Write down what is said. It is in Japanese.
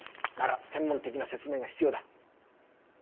なら専門的な説明が必要だ。